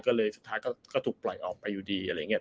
ก็เลยสุดท้ายก็ถูกปล่อยออกไปอยู่ดีอะไรอย่างนี้